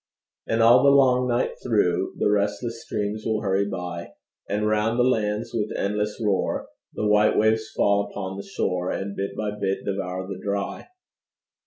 And all the long night through, The restless streams will hurry by; And round the lands, with endless roar, The white waves fall upon the shore, And bit by bit devour the dry.